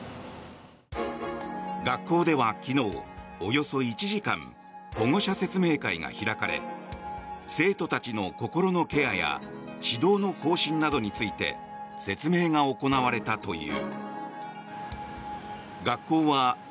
学校では昨日、およそ１時間保護者説明会が開かれ生徒たちの心のケアや指導の方針などについて説明が行われたという。